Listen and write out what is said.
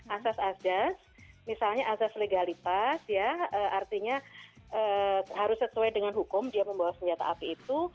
asas asas misalnya asas legalitas ya artinya harus sesuai dengan hukum dia membawa senjata api itu